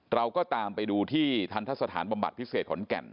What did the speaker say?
เราก็ตามไปดูที่ทันทะสถานบำบัดพิเศษขอนแก่น